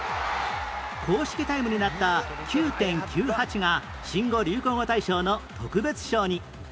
公式タイムになった「９．９８」が新語・流行語大賞の特別賞に